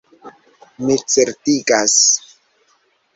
Mi certigas.